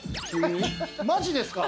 マジですか？